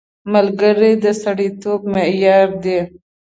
ملګری د سړیتوب معیار دی